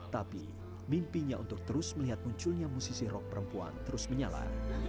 tapi mimpinya untuk terus melihat munculnya musisi rok perempuan terus menyala